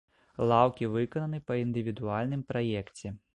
Лаўкі выкананы па індывідуальным праекце.